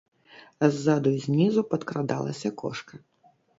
А ззаду і знізу падкрадалася кошка.